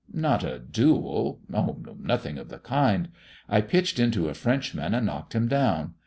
Not a duel no nothing of the kind. I pitched into a Frenchman and knocked him down.